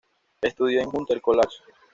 Estudió en la Hunter College.